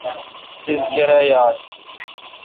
تیس کرایال؟